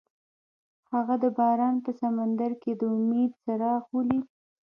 هغه د باران په سمندر کې د امید څراغ ولید.